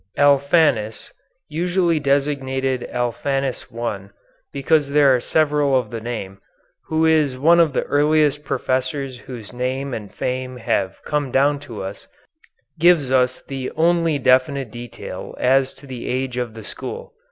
Alphanus, usually designated Alphanus I because there are several of the name, who is one of the earliest professors whose name and fame have come down to us, gives us the only definite detail as to the age of the school.